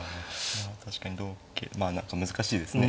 確かに同桂まあ何か難しいですね